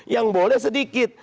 yang boleh sedikit